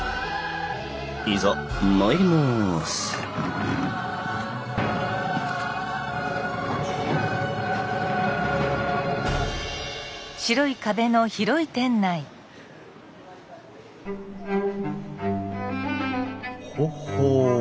いざ参りますほっほう。